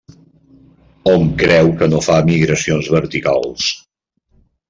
Hom creu que no fa migracions verticals.